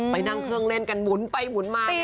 ไปนั่งเครื่องเล่นกันหมุนไปหมุนมา